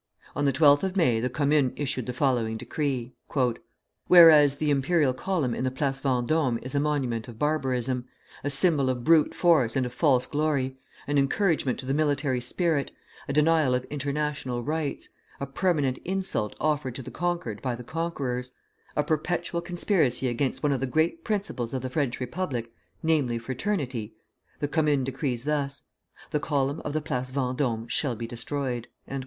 On the 12th of May the Commune issued the following decree: "Whereas, the imperial column in the Place Vendôme is a monument of barbarism, a symbol of brute force and of false glory, an encouragement to the military spirit, a denial of international rights, a permanent insult offered to the conquered by the conquerors, a perpetual conspiracy against one of the great principles of the French Republic, namely, Fraternity, the Commune decrees thus: The column of the Place Vendôme shall be destroyed."